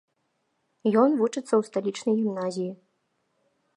Ён вучыцца ў сталічнай гімназіі.